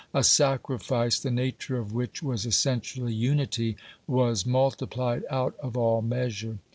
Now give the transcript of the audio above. A sacrifice, the nature of which was essentially unity, was multiplied out of all measure.